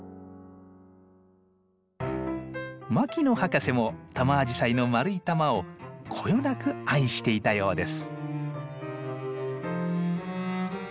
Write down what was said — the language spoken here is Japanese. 牧野博士もタマアジサイの丸い玉をこよなく愛していたようです。